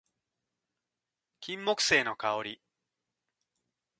金木犀の香り